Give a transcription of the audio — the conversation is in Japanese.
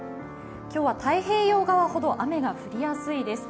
今日は太平洋側ほど雨が降りやすいです。